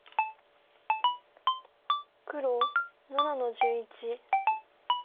黒７の十一。